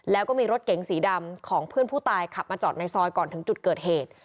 แล้วก็มีรถเก๋งสีดำของเพื่อนผู้ตายขับมาจอดในซอยก่อนถึงจุดเกิดเหตุ